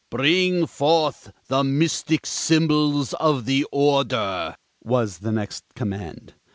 "Bring forth the Mystic Symbols of the Order!" was the next command.